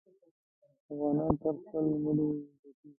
افغانان تل خپل مړی ګټي.